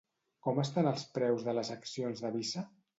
Com estan els preus de les accions de Visa?